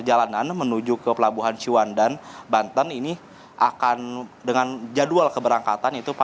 dan nantinya pelabuhan panjang ini akan melayani tiga rute